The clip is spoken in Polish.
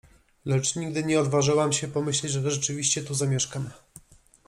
Lecz nigdy nie odważyłam się pomyśleć, że rzeczywiście tu zamieszkam.